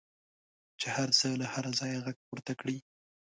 چې هر څه له هره ځایه غږ پورته کړي.